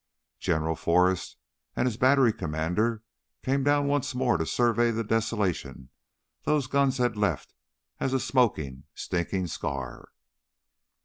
General Forrest and his battery commander came down once more to survey the desolation those guns had left as a smoking, stinking scar.